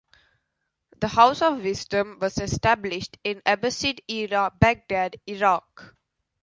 The House of Wisdom was established in Abbasid-era Baghdad, Iraq.